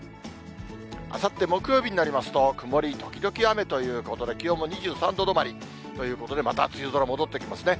あさって木曜日になりますと、曇り時々雨ということで、気温も２３度止まり、ということで、また梅雨空戻ってきますね。